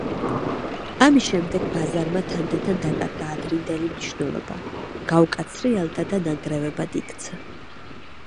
ამის შემდეგ ბაზარმა თანდათან დაკარგა ადრინდელი მნიშვნელობა, გაუკაცრიელდა და ნანგრევებად იქცა.